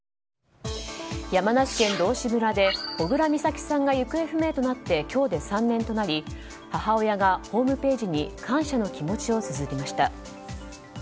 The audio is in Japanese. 山梨県道志村で小倉美咲さんが行方不明となって今日で３年となり母親がホームページに感謝の気持ちをつづりました。